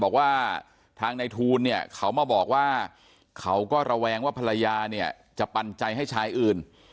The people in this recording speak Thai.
บอกว่าทางในทูลเนี่ยเขามาบอกว่าเขาก็ระแวงว่าภรรยาเนี่ยจะปันใจให้ชายอื่น